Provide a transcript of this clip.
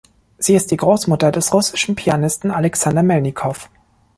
Sie ist die Großmutter des russischen Pianisten Alexander Melnikow.